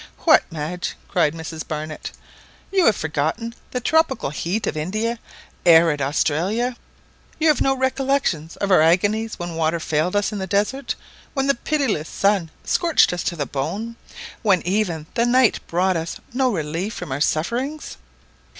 "What, Madge !" cried Mrs Barnett, "you have forgotten the tropical heat of India arid Australia? You have no recollection of our agonies when water failed us in the desert, when the pitiless sun scorched us to the bone, when even the night brought us no relief from our sufferings